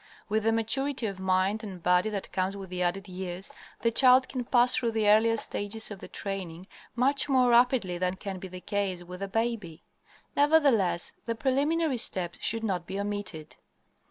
With the maturity of mind and body that comes with the added years, the child can pass through the earlier stages of the training much more rapidly than can be the case with the baby. Nevertheless, the preliminary steps should not be omitted.